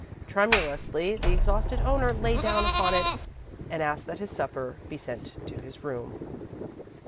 Tremulously the exhausted owner lay down upon it, and asked that his supper be sent to his room.